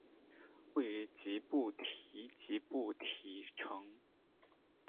位于吉布提吉布提城。